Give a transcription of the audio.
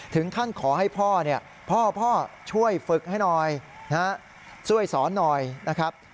ถึงท่านขอให้พ่อพ่อช่วยฝึกให้หน่อยช่วยสอนหน่อยนะครับ